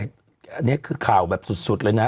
อันนี้คือข่าวแบบสุดเลยนะ